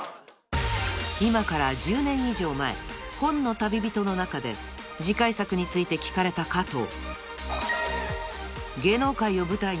［今から１０年以上前『本の旅人』の中で次回作について聞かれた加藤］